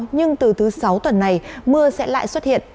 nhưng từ thứ sáu tuần này mưa sẽ lại xuất hiện